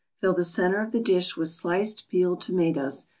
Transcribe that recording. Fill the center of the dish with sliced, peeled tomatoes.